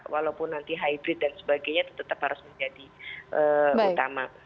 walaupun nanti hybrid dan sebagainya itu tetap harus menjadi utama